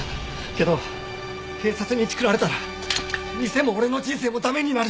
けど警察にチクられたら店も俺の人生も駄目になる。